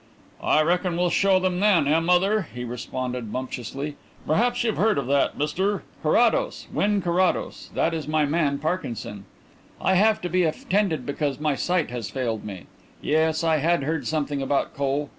"I reckon we'll show them then, eh, mother?" he responded bumptiously. "Perhaps you've heard of that, Mr ?" "Carrados Wynn Carrados. This is my man, Parkinson. I have to be attended because my sight has failed me. Yes, I had heard something about coal.